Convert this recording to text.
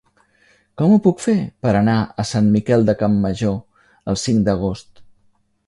Com ho puc fer per anar a Sant Miquel de Campmajor el cinc d'agost?